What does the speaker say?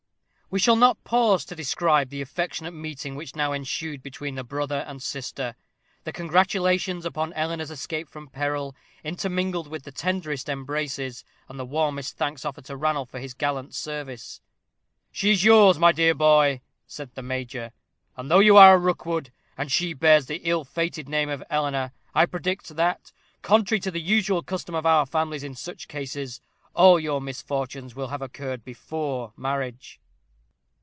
We shall not pause to describe the affectionate meeting which now ensued between the brother and sister the congratulations upon Eleanor's escape from peril, intermingled with the tenderest embraces, and the warmest thanks offered to Ranulph for his gallant service. "She is yours, my dear boy," said the major; "and though you are a Rookwood, and she bears the ill fated name of Eleanor, I predict that, contrary to the usual custom of our families in such cases, all your misfortunes will have occurred before marriage."